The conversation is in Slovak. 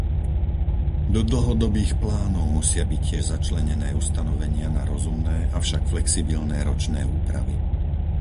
Do dlhodobých plánov musia byť tiež začlenené ustanovenia na rozumné avšak flexibilné ročné úpravy.